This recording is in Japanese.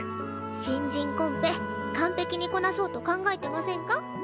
新人コンペ完璧にこなそうと考えてませんか？